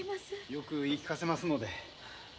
よく言い聞かせますので。